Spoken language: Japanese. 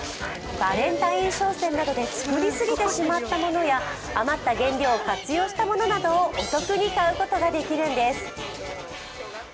バレンタイン商戦などで作りすぎてしまったものや余った原料を活用したものなどをお得に買うことができるんです。